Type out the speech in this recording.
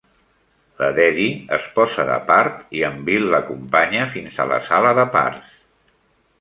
La Dedee es posa de part i en Bill l'acompanya fins a la sala de parts.